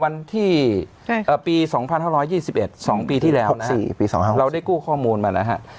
วันที่ปี๒๕๒๑๒ปีที่แล้วเราได้กู้ข้อมูลมานะฮะ